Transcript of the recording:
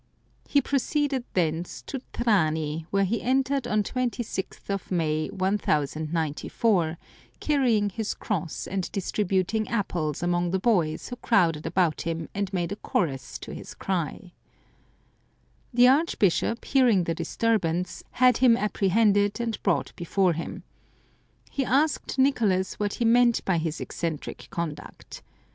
He proceeded thence to Trani, which he entered on 26th May 1094, carrying his cross and distribut ing apples among the boys who crowded about him and made a chorus to his cry. The archbishop, hearing the disturbance, had him apprehended and brought before him. He asked Nicolas what he meant by his eccentric conduct.